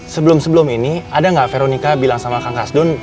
sebelum sebelum ini ada gak veronika bilang sama kang kasnun